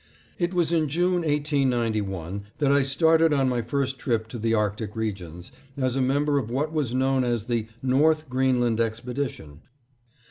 It was in June, 1891, that I started on my first trip to the Arctic regions, as a member of what was known as the "North Greenland Expedition."